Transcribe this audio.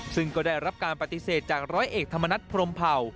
ซึ่งก็ได้รับการปฏิเสธจากร้อยเอกธรรมนัฐพรมเผ่า